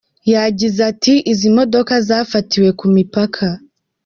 Yagize ati “Izi modoka zafatiwe ku mipaka.